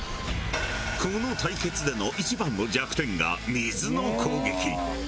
この対決での一番の弱点が水の攻撃。